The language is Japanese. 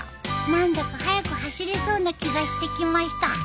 何だか速く走れそうな気がしてきました。